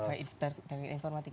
oh di teknik informatika